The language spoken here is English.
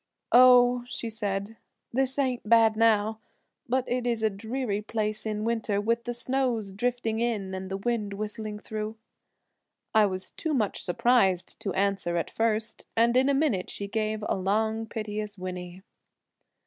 "Oh," she said, "this ain't bad now, but it is a dreary place in winter with the snow drifting in and the wind whistling through." I was too much surprised to answer at first, and in a minute she gave a long, piteous whinny.